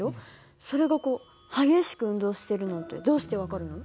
それがこう激しく運動してるなんてどうして分かるの？